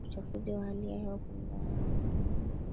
kutokana na uchafuzi wa hali ya hewa kulingana na kundi la